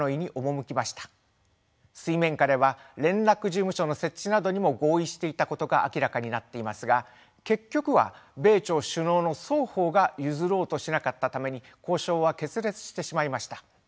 水面下では連絡事務所の設置などにも合意していたことが明らかになっていますが結局は米朝首脳の双方が譲ろうとしなかったために交渉は決裂してしまいました。